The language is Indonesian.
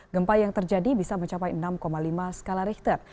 gempa yang terjadi bisa mencapai enam lima skala richter